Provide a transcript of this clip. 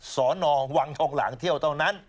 สอนอวังทองหลางเที่ยวเท่านั้น